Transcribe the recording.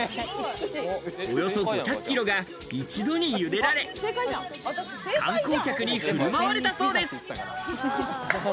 およそ５００キロが一度にゆでられ、観光客に振る舞われたそうです。